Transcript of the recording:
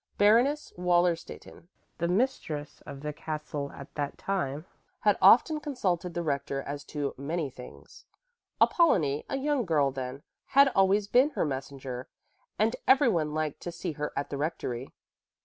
Baroness Wallerstätten, the mistress of the castle at that time, had often consulted the rector as to many things. Apollonie, a young girl then, had always been her messenger, and everyone liked to see her at the rectory.